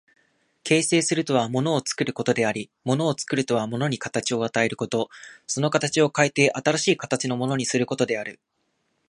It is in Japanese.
形成するとは物を作ることであり、物を作るとは物に形を与えること、その形を変えて新しい形のものにすることである。